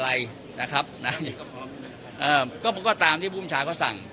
นะให้ไปทำอะไรนะครับนะเอ่อก็ผมก็ตามที่บูมชาก็สั่ง